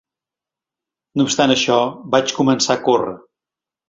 No obstant això, vaig començar a córrer.